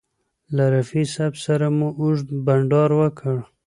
له رفیع صاحب سره مو اوږد بنډار وکړ.